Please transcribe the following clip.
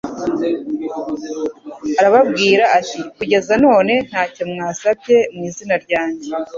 Arababwira ati: «Kugeza none ntacyo mwasabye mu izina ryanjye.»